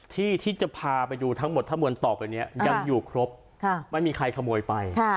ที่ที่จะพาไปอยู่ทั้งหมดถ้าบวนต่อไปเนี้ยยังอยู่ครบค่ะไม่มีใครขโมยไปค่ะ